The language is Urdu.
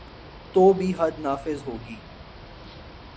تو بھی حد نافذ ہو گی۔